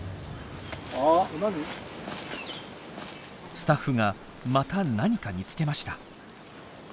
スタッフがまた何か見つけました。